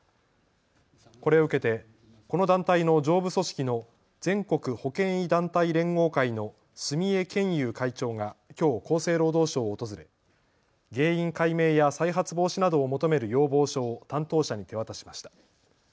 これを受けてこの団体の上部組織の全国保険医団体連合会の住江憲勇会長がきょう厚生労働省を訪れ原因解明や再発防止などを求める要望書を担当者に手渡しました。